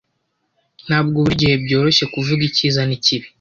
Ntabwo buri gihe byoroshye kuvuga icyiza n'ikibi.